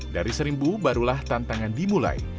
dari seribu barulah tantangan dimulai